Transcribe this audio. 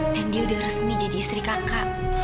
dan dia udah resmi jadi istri kakak